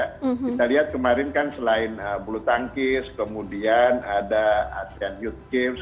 kita lihat kemarin kan selain bulu tangkis kemudian ada asean youth games